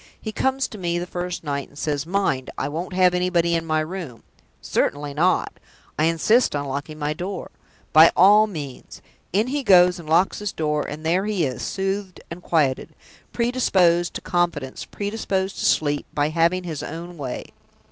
He comes to me the first night, and says: 'Mind, I won't have anybody in my room!' 'Certainly not!' 'I insist on locking my door.' 'By all means!' In he goes, and locks his door; and there he is, soothed and quieted, predisposed to confidence, predisposed to sleep, by having his own way.